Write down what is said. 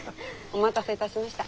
お待たせいたしました。